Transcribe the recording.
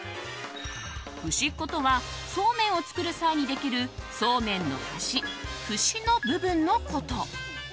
ふしっことはそうめんを作る際にできるそうめんの端、節の部分のこと。